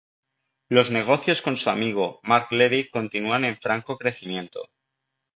Los negocios con su amigo Mark Levy continúan en franco crecimiento.